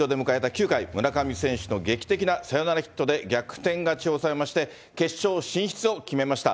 ９回、村上選手の劇的なサヨナラヒットで逆転勝ちを収めまして、決勝進出を決めました。